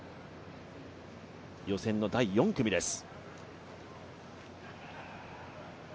予選の第４組です。